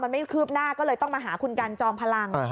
มันไม่คืบหน้าก็เลยต้องมาหาคุณกันจอมพลัง